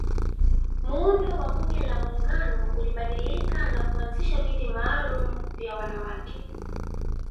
Muundo wa bunge la muungano ulibadilika na kuanzisha viti malumu vya wanawake